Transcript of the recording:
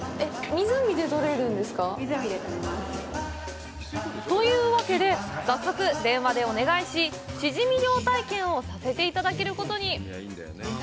湖で取れます。というわけで、早速電話でお願いし、シジミ漁体験をさせていただけることに。